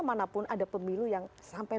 manapun ada pemilu yang sampai